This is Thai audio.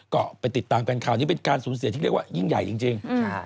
ก็ไปติดตามกันข่าวนี้เป็นการสูญเสียที่เรียกว่ายิ่งใหญ่จริง